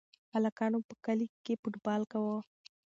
هلکانو په کلي کې فوټبال کاوه.